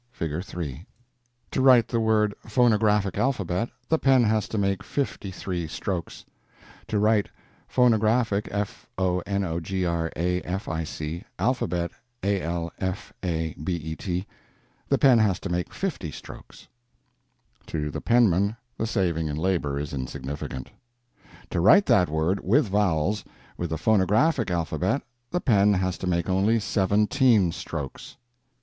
(Figure 3) To write the words "phonographic alphabet," the pen has to make fifty three strokes. To write "fonografic alfabet," the pen has to make fifty strokes. To the penman, the saving in labor is insignificant. To write that word (with vowels) with the phonographic alphabet, the pen has to make only _seventeen _strokes.